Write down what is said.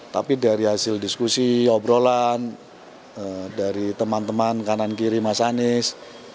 tapi dari hasil diskusi obrolan dari teman teman kanan kiri mas anies